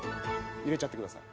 入れちゃってください。